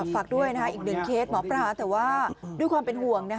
ฝากด้วยอีกหนึ่งเคสหมอปลาแต่ว่าด้วยความเป็นห่วง